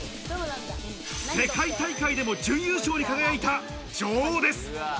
世界大会でも準優勝に輝いた女王です。